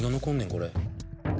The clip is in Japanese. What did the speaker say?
これ。